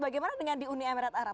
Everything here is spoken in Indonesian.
bagaimana dengan di uni emirat arab